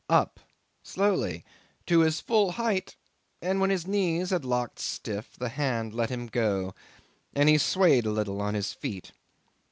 Up, slowly to his full height, and when his knees had locked stiff the hand let him go, and he swayed a little on his feet.